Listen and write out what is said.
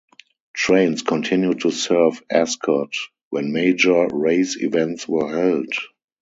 Trains continued to serve Ascot when major race events were held.